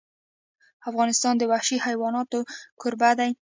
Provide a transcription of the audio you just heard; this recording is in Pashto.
افغانستان د وحشي حیوانات کوربه دی.